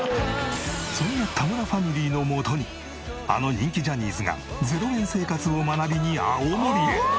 そんな田村ファミリーの元にあの人気ジャニーズが０円生活を学びに青森へ。